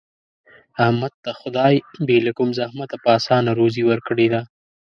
احمد ته خدای بې له کوم زحمته په اسانه روزي ورکړې ده.